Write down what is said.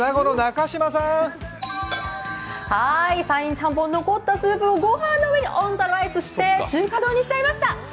山陰ちゃんぽん、残ったスープを御飯の上にオン・ザ・ライスして中華丼にしちゃいました。